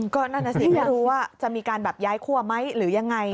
ก็นั่นน่ะสิไม่รู้ว่าจะมีการแบบย้ายคั่วไหมหรือยังไง